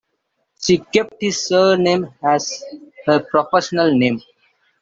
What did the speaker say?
She kept his surname as her professional name.